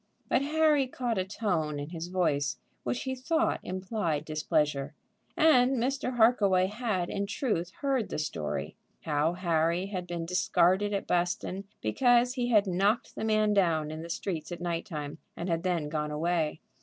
But Harry caught a tone in his voice which he thought implied displeasure. And Mr. Harkaway had in truth heard the story, how Harry had been discarded at Buston because he had knocked the man down in the streets at night time and had then gone away.